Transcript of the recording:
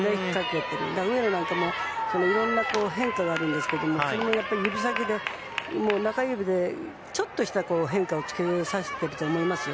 上野なんかもいろんな変化があるんですけどもそれもやっぱり、指先で中指で、ちょっとした変化をつけさせていると思いますよ。